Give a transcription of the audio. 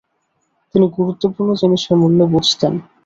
তিনি গুরুত্বপূর্ণ জিনিসের মূল্য বুঝতেন।